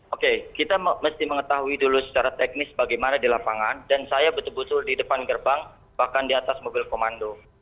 oke kita mesti mengetahui dulu secara teknis bagaimana di lapangan dan saya betul betul di depan gerbang bahkan di atas mobil komando